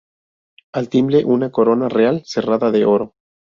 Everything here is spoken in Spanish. Al timbre una corona real cerrada de oro.